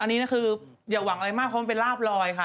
อันนี้คืออย่าหวังอะไรมากเพราะมันเป็นลาบลอยค่ะ